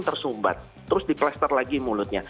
tersumbat terus diplaster lagi mulutnya